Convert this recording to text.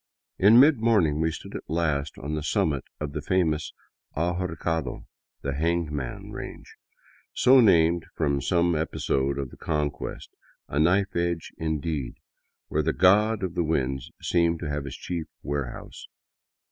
In midmorning we stood at last on the summit of the famous Ahorcado — the Hanged Man — range, so named from some episode of the Conquest, a " knife edge " indeed, where the god of the winds seemed to have his chief warehouse.